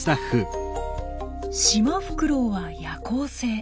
シマフクロウは夜行性。